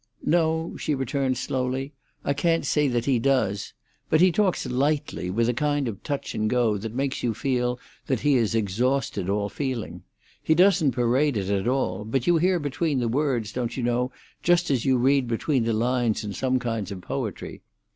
"No," she returned slowly, "I can't say that he does. But he talks lightly, with a kind of touch and go that makes you feel that he has exhausted all feeling. He doesn't parade it at all. But you hear between the words, don't you know, just as you read between the lines in some kinds of poetry.